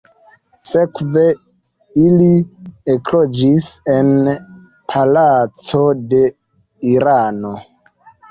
Sekve ili ekloĝis en palaco de Irano.